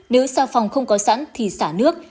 nếu xà phòng không có sẵn thì xả nước